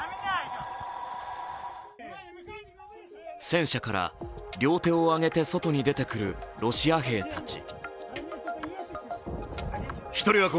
戦車から両手を挙げて外に出てくるロシア兵たち。